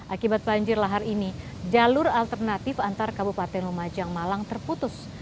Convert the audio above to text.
akibat banjir lahar ini jalur alternatif antar kabupaten lumajang malang terputus